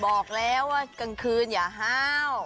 บอกแล้วว่ากลางคืนอย่าห้าว